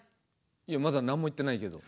いやまだなんも言ってないけど。